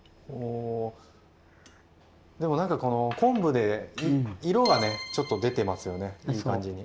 でもなんかこの昆布で色がねちょっと出てますよねいい感じに。